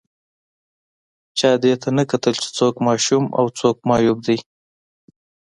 چا دې ته نه کتل چې څوک ماشوم او څوک معیوب دی